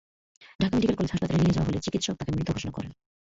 Dhaka medical college হাসপাতালে নিয়ে যাওয়া হলে চিকিৎসক তাঁকে মৃত ঘোষণা করেন।